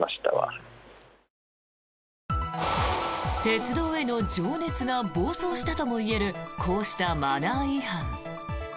鉄道への情熱が暴走したともいえるこうしたマナー違反。